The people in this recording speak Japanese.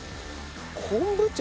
昆布茶？